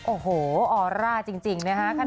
โอ้โหอร่าจริงเลยค่ะ